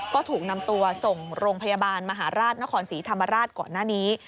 ก็ถูกนำตัวส่งโรงพยาบาลมหาราชนครศรีธรรมราชก่อนหน้านี้